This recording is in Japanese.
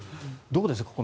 どうです？